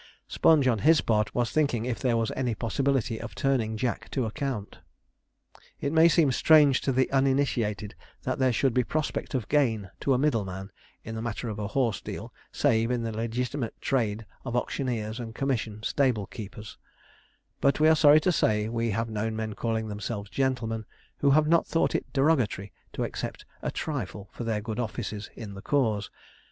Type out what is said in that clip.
Sponge, on his part, was thinking if there was any possibility of turning Jack to account. It may seem strange to the uninitiated that there should be prospect of gain to a middle man in the matter of a horse deal, save in the legitimate trade of auctioneers and commission stable keepers; but we are sorry to say we have known men calling themselves gentlemen, who have not thought it derogatory to accept a 'trifle' for their good offices in the cause.